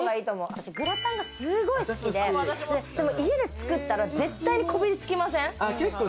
私、グラタンがすごい好きで、家で作ったら絶対にこびりつきません。